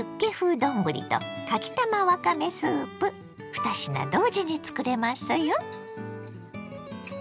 ２品同時につくれますよ。